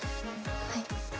はい。